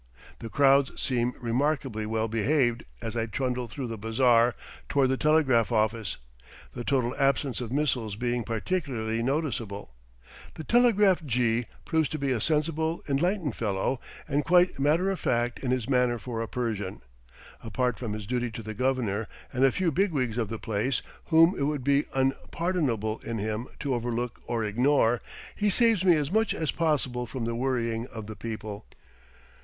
The crowds seem remarkably well behaved as I trundle through the bazaar toward the telegraph office, the total absence of missiles being particularly noticeable. The telegraph jee proves to be a sensible, enlightened fellow, and quite matter of fact in his manner for a Persian; apart from his duty to the Governor and a few bigwigs of the place, whom it would be unpardonable in him to overlook or ignore, he saves me as much as possible from the worrying of the people.